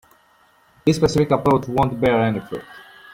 This specific approach won't bear any fruit.